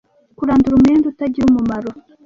kurandura umwenda utagira umumaro